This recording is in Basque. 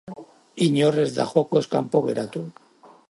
Inor ez da jokoz kanpo geratu.